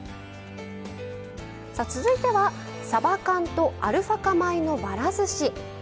続いては、さば缶とアルファ化米のばらずし。